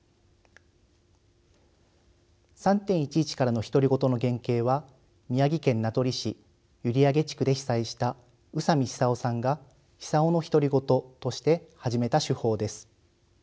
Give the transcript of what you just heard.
「３．１１からの独り言」の原型は宮城県名取市閖上地区で被災した宇佐美久夫さんが「久夫の独り言」として始めた手法です。